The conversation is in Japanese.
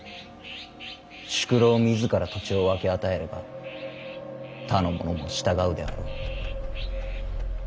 宿老自ら土地を分け与えれば他の者も従うであろう。